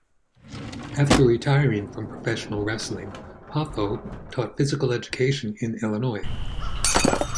After retiring from professional wrestling, Poffo taught physical education in Illinois.